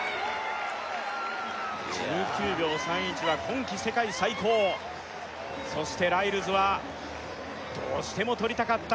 １９秒３１は今季世界最高そしてライルズはどうしてもとりたかった